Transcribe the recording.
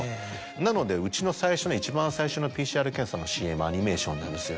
なのでうちの最初の一番最初のＰＣＲ検査のＣＭアニメーションなんですよ。